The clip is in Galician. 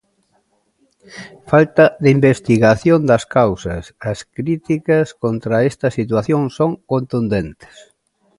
Falta de investigación das causas As críticas contra esta situación son contundentes.